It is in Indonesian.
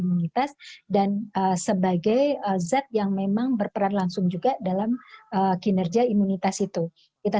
imunitas dan sebagai zat yang memang berperan langsung juga dalam kinerja imunitas itu kita